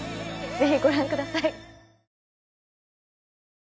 是非ご覧ください。